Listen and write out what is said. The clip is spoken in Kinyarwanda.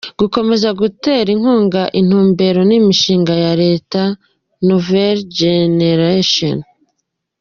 Gukomeza gutera inkunga intumbero n’imishinga ya « La Nouvelle Génération «.